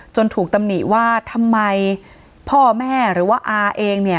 ถูกตำหนิว่าทำไมพ่อแม่หรือว่าอาเองเนี่ย